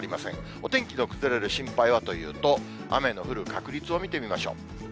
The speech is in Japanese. お天気の崩れる心配はというと、雨の降る確率を見てみましょう。